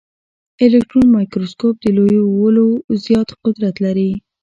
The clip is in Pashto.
الکټرون مایکروسکوپ د لویولو زیات قدرت لري.